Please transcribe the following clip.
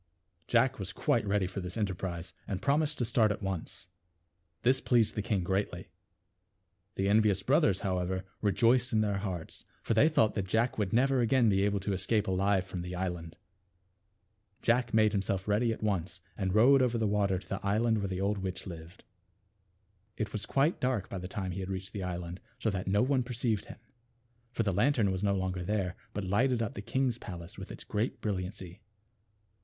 Jack was quite ready for this enterprise, and promised to start at once. This pleased the king greatly. The envious brothers, however, rejoiced in their hearts ; for they thought that J ack would never again be able to escape alive from the island. Jack made himself ready at once and rowed over the water to the island where the old witch lived. It was quite dark by the time he had reached the island, so that no one perceived [he '3 de — j him; for the ? the L<Tnterr\ e | lantern was —> no longer there, but lighted up the king's palace with its great brilliancy.